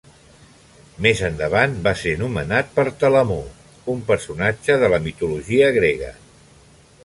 Més endavant va ser nomenat per Telamó, un personatge de la mitologia grega.